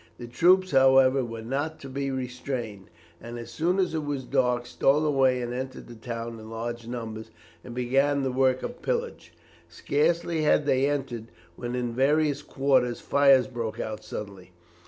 The troops, however, were not to be restrained, and as soon as it was dark stole away and entered the town in large numbers and began the work of pillage. Scarcely had they entered when in various quarters fires broke out suddenly.